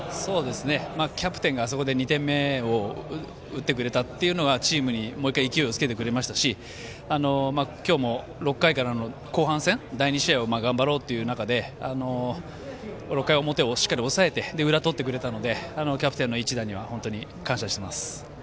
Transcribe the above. キャプテンが、あそこで２点目を打ってくれたというのはチームに、もう１回勢いをつけてくれましたし今日も６回からの後半戦第２試合を頑張ろうという中で６回表をしっかり抑えて裏とってくれたのでキャプテンの一打には本当に感謝しています。